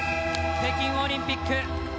北京オリンピック。